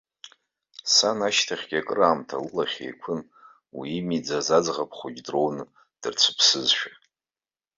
Сан ашьҭахьгьы акраамҭа лылахь еиқәын, уи имиӡаз аӡӷаб хәыҷы дроуны дырцәыԥсызшәа.